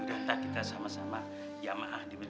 udah entah kita sama sama ya maaf di rumah ya